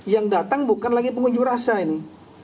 yang datang bukan lagi pengunjuk rasa ini